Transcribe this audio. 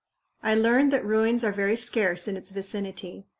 I learned that ruins are very scarce in its vicinity.